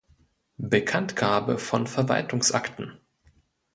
Bekanntgabe von Verwaltungsakten